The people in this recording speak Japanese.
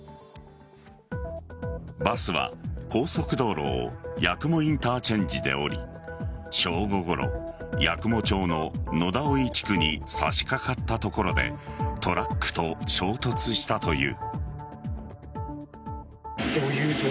バスは高速道路を八雲インターチェンジで降り正午ごろ八雲町の野田生地区に差し掛かったところでトラックと衝突したという。